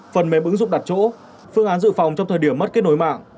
phần mềm ứng dụng đặt chỗ phương án dự phòng trong thời điểm mất kết nối mạng